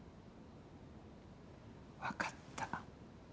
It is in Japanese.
わかった。